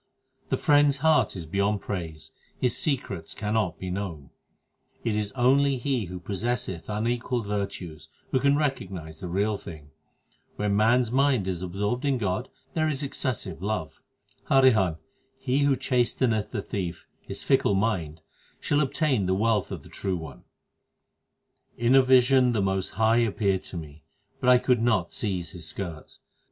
12 The Friend s heart is beyond praise : His secrets cannot be known. It is only he who possesseth unequalled virtues who can recognize the Real Thing. When man s mind is absorbed in God there is excessive love. Harihan, he who chasteneth the thief, his fickle mind, shall obtain the wealth of the True One. 1 The Golden Temple at Amritsar. HYMNS OF GURU ARJAN 441 13 In a vision the Most High appeared to me, but I could not seize His skirt.